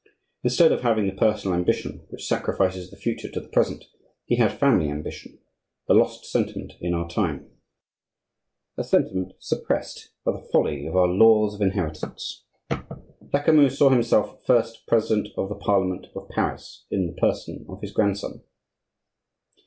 Instead of having the personal ambition which sacrifices the future to the present, he had family ambition,—a lost sentiment in our time, a sentiment suppressed by the folly of our laws of inheritance. Lecamus saw himself first president of the Parliament of Paris in the person of his grandson.